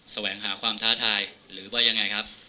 แสวงหาความท้าทายหรือว่ายังไงครับ